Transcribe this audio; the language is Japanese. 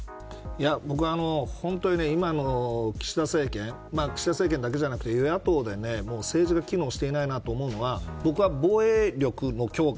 僕は本当に、今の岸田政権岸田政権だけじゃなくて与野党で政治が機能していないと思うのは僕は防衛力の強化